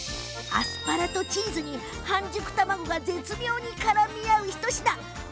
アスパラとチーズに半熟たまごが絶妙に、からみ合う一品です。